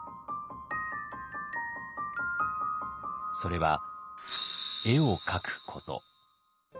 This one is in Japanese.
それは絵を描くこと。